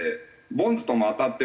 ボンズとも当たって。